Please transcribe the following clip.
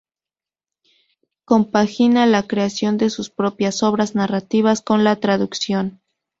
Compagina la creación de sus propias obras narrativas con la traducción.